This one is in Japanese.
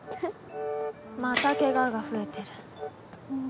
またケガが増えてる。